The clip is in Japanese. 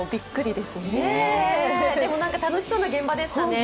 でも楽しそうな現場でしたね。